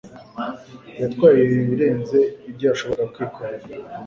Yatwaye ibirenze ibyo yashoboraga kwikorera.